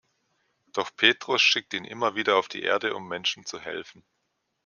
Doch Petrus schickt ihn immer wieder auf die Erde, um Menschen zu helfen.